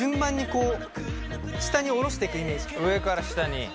上から下に。